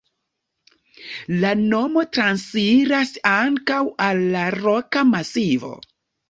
La nomo transiras ankaŭ al la roka masivo.